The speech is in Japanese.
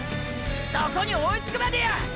そこに追いつくまでや！！